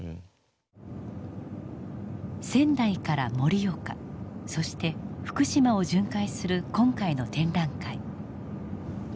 仙台から盛岡そして福島を巡回する今回の展覧会。